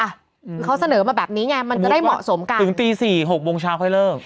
คือเขาเสนอมาแบบนี้ไงมันจะได้เหมาะสมกันถึงตีสี่หกโมงเช้าค่อยเลิก